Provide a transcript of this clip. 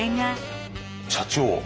社長